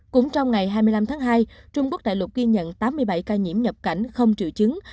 cũng trong ngày hai mươi năm tháng hai trung quốc đại lục ghi nhận tám mươi bảy ca nhiễm nhập cảnh không triệu chứng